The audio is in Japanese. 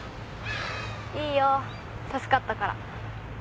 いいよ助かったから。